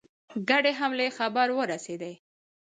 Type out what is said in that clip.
ګډې حملې خبر ورسېدی.